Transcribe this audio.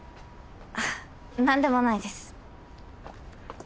あっ何でもないです。